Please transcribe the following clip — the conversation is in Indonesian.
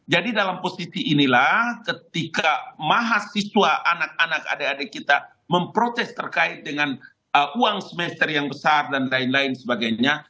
jadi dalam posisi inilah ketika mahasiswa anak anak adik adik kita memprotes terkait dengan uang semester yang besar dan lain lain sebagainya